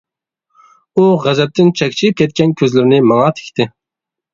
ئۇ غەزەپتىن چەكچىيىپ كەتكەن كۆزلىرىنى ماڭا تىكتى.